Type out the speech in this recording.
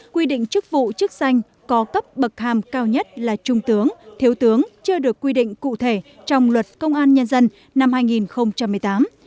quy định chức vụ chức danh có cấp bậc hàm cao nhất là trung tướng thiếu tướng chưa được quy định cụ thể trong luật công an nhân dân năm hai nghìn một mươi tám